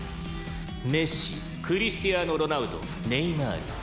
「メッシクリスティアーノ・ロナウドネイマール」